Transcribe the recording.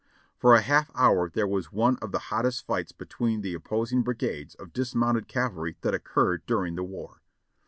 For a half hour there was one of the hottest fights between the oppos ing brigades of dismounted cavalry that occurred during the war.